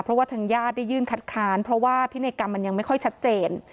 เพราะว่าทางญาติได้ยื่นคัดค้านเพราะว่าพินัยกรรมมันยังไม่ค่อยชัดเจน